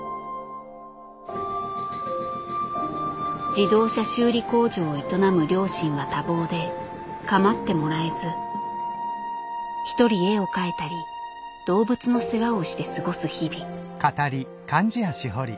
自動車修理工場を営む両親は多忙でかまってもらえず一人絵を描いたり動物の世話をして過ごす日々。